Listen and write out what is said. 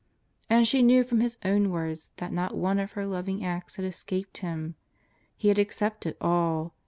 And she knew from His own words that not one of her loving acts had escaped Him. He had accepted all.